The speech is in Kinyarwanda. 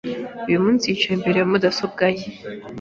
Uyu munsi yicaye imbere ya mudasobwa ye.